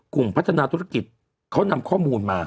กลุ่มพัฒนาธุรกิจเขานำข้อมูลมา